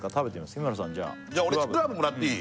日村さんじゃ俺ちくわぶもらっていい？